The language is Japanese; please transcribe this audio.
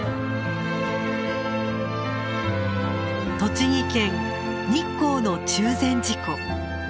栃木県日光の中禅寺湖。